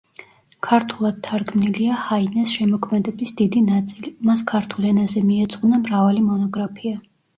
ქართულად თარგმნილია ჰაინეს შემოქმედების დიდი ნაწილი; მას ქართულ ენაზე მიეძღვნა მრავალი მონოგრაფია.